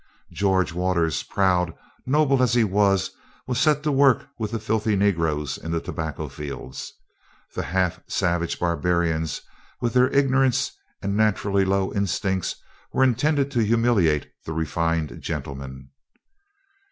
George Waters, proud, noble as he was, was set to work with the filthy negroes in the tobacco fields. The half savage barbarians, with their ignorance and naturally low instincts, were intended to humiliate the refined gentleman.